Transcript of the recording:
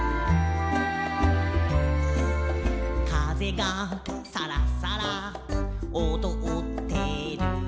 「風がサラサラおどってる」